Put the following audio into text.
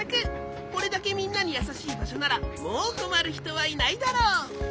これだけみんなにやさしいばしょならもうこまるひとはいないだろう。